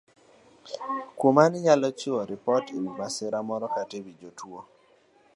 Kuom ranyisi, inyalo chiwo ripot e wi masira moro kata e wi jotuo.